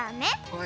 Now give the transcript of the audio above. はい。